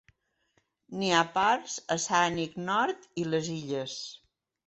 N'hi ha parts a Saanich nord i les illes.